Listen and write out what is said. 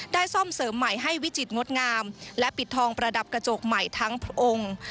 ซ่อมเสริมใหม่ให้วิจิตรงดงามและปิดทองประดับกระจกใหม่ทั้งพระองค์